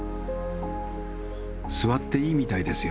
座っていいみたいですよ。